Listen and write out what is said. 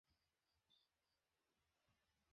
Larry, একটু স্টারবাকসে ফিরে যেতে পারবে?